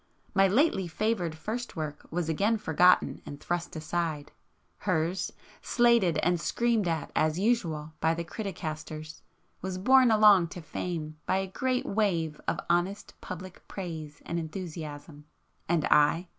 My lately favoured first work was again forgotten and thrust aside,—hers, slated and screamed at as usual by the criticasters, was borne along to fame by a great wave of honest public praise and enthusiasm. And I?